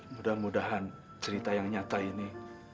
mudah mudahan cerita yang nyata ini